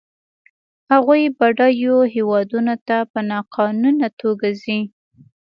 هغوی بډایو هېوادونو ته په ناقانونه توګه ځي.